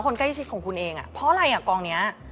คนใกล้ชิดของคุณเองเพราะอะไรอ่ะกองนี้